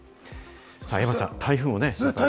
山ちゃん、台風もね。